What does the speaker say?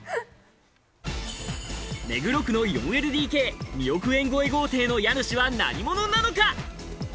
目黒区の４ＬＤＫ、２億円越え豪邸の家主は何者なのか。